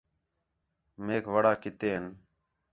میک وڑا کِتے ہین